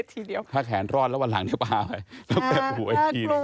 ถ้าแขนรอดแล้ววันหลังพาไป